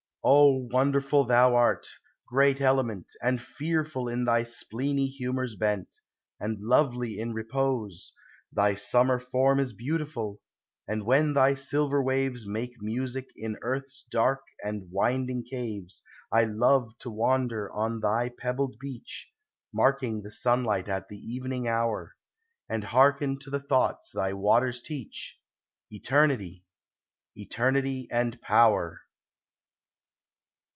O, wonderful thou art, great element, And fearful in thy spleeny humors bent, And lovely in repose ! thy summer form Is beautiful, and when thy silver waves Make music in earth's dark and winding caves, I love to wander on thy pebbled beach, Marking the sunlight at the evening hour, And hearken to the thoughts thy waters teach,^ Eternity — Eternity — and Power.